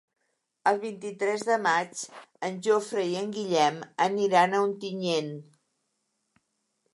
El vint-i-tres de maig en Jofre i en Guillem aniran a Ontinyent.